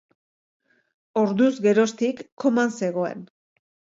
Orduz geroztik koman zegoen.